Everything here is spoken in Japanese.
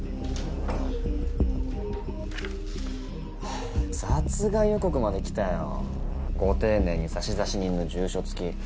ハァ殺害予告まで来たよご丁寧に差出人の住所付き。